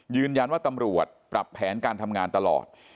ยืนยันว่าตำรวจปรับแผนการทำงานตลอด